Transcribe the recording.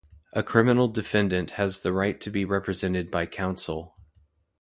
A criminal defendant has the right to be represented by counsel.